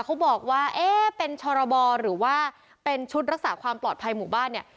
เขาบอกว่าเอ๊ะเป็นชรบหรือว่าเป็นชุดรักษาความปลอดภัยหมู่บ้านเนี่ย